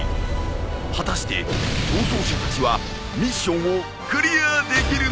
果たして逃走者たちはミッションをクリアできるのか！？